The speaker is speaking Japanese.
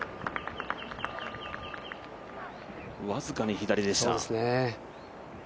僅かに左でした。